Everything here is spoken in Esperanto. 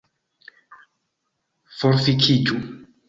Forfikiĝu